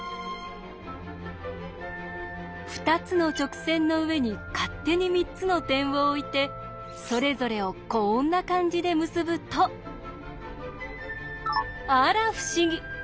２つの直線の上に勝手に３つの点を置いてそれぞれをこんな感じで結ぶとあら不思議！